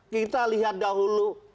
kita lihat dahulu